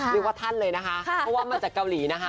เรียกว่าท่านเลยนะคะเพราะว่ามาจากเกาหลีนะคะ